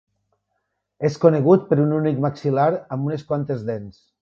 És conegut per un únic maxil·lar amb unes quantes dents.